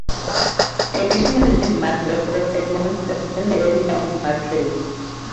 Additional landmark work of Edmonds is in the area of matroids.